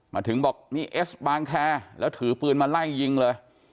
มาถึงบอกนี่เอสบางแคร์แล้วถือปืนมาไล่ยิงเลย